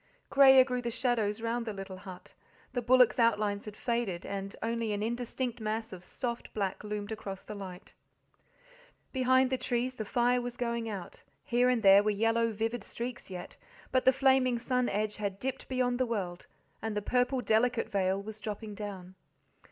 Greyer grew the shadows round the little but, the bullocks' outlines had faded, and only an indistinct mass of soft black loomed across the light. Behind the trees the fire was going out, here and there were yellow, vivid streaks yet, but the flaming sun edge, had dipped beyond the world, and the purple, delicate veil was dropping down.